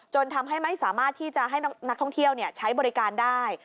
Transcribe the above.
ทำให้ไม่สามารถที่จะให้นักท่องเที่ยวใช้บริการได้